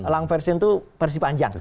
lang version itu versi panjang